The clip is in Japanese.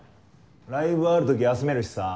ライブある時は休めるしさ。